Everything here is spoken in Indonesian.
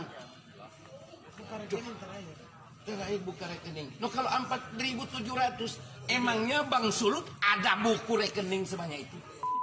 terakhir buka rekening no kalau empat ribu tujuh ratus emangnya bang sulut ada buku rekening semuanya itu